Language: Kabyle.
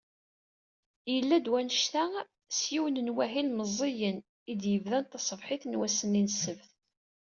Yella-d wannect-a s yiwen wahil meẓẓiyen, i yebdan taṣebḥit n wass-nni n ssebt.